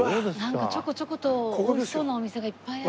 なんかちょこちょこと美味しそうなお店がいっぱいある。